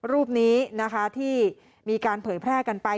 รูปนี้นะคะที่มีการเผยแพร่กันไป